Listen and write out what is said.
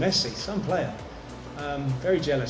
maksud saya apa itu pemainnya